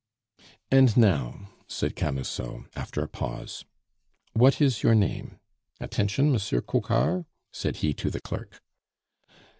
"And now," said Camusot, after a pause, "what is your name? Attention, Monsieur Coquart!" said he to the clerk.